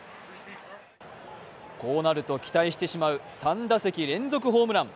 こうなると期待してしまう３打席連続ホームラン。